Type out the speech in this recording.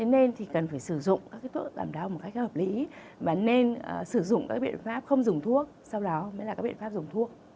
nên cần phải sử dụng các thuốc giảm đau một cách hợp lý và nên sử dụng các biện pháp không dùng thuốc sau đó mới là các biện pháp dùng thuốc